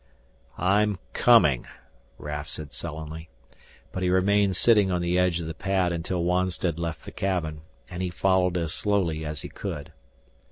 "I'm coming," Raf said sullenly. But he remained sitting on the edge of the pad until Wonstead left the cabin, and he followed as slowly as he could.